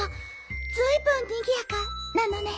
ずいぶんにぎやかなのね。